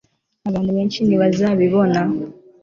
abantu benshi ntibazabibona